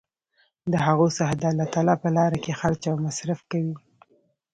د هغو څخه د الله تعالی په لاره کي خرچ او مصر ف کوي